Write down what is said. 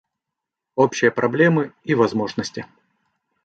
Общие проблемы и возможности.